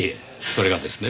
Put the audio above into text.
それがですね